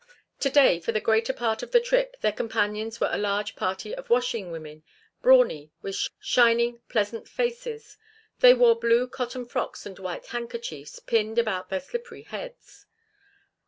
To day for the greater part of the trip their companions were a large party of washing women, brawny, with shining, pleasant faces. They wore blue cotton frocks and white handkerchiefs pinned about their slippery heads.